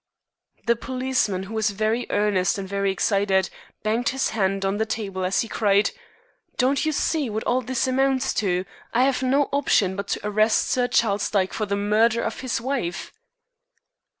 The policeman, who was very earnest and very excited, banged his hand on the table as he cried: "Don't you see what all this amounts to? I have no option but to arrest Sir Charles Dyke for the murder of his wife."